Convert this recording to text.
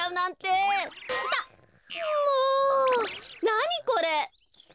なにこれ！？